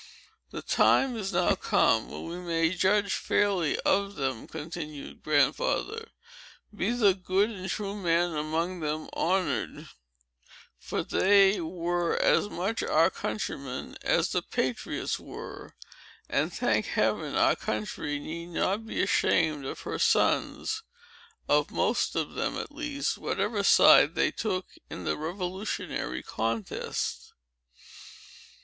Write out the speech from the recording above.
"The time is now come, when we may judge fairly of them," continued Grandfather. "Be the good and true men among them honored; for they were as much our countrymen as the patriots were. And, thank Heaven! our country need not be ashamed of her sons—of most of them, at least—whatever side they took in the revolutionary contest."